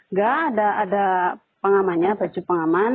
nggak ada pengamannya baju pengaman